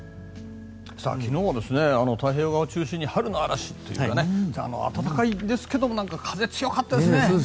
昨日は太平洋側を中心に春の嵐というような暖かいんですが風が強かったですね。